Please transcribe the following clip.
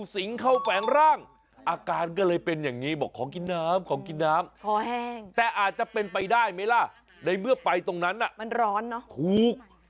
สิงเข้าแฝงร่างอาการก็เลยเป็นอย่างนี้บอกของกินน้ำของกินน้ำแต่อาจจะเป็นไปได้ไหมล่ะในเมื่อไปตรงนั้นมันร้อนเนอะถูก